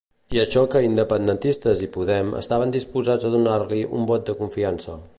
I això que independentistes i Podem estaven disposats a donar-li un vot de confiança.